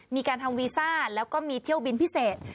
มีการทำวีซ่าแล้วก็มีเที่ยวบินพิเศษ